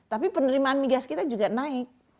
tapi penerimaan migas kita juga naik